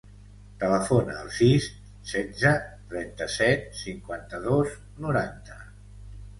Telefona al sis, setze, trenta-set, cinquanta-dos, noranta.